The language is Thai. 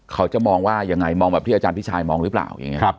เขาจะมองว่ายังไงมองแบบที่อาจารย์พิชัยมองหรือเปล่า